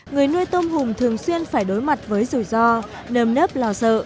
người nuôi tôm hùm thường xuyên phải đối mặt với rủi ro nơm nớp lo sợ